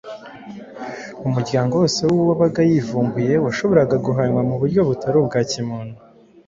umuryango wose w’uwo wabaga yivumbuye washoboraga guhanwa mu buryo butari ubwa kimuntu.